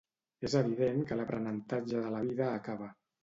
És evident que l'aprenentatge de la vida acaba.